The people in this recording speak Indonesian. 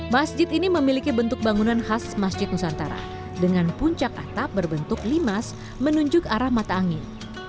masjid ini memiliki bentuk bangunan khas masjid nusantara dengan puncak atap berbentuk limas menunjuk arah mata angin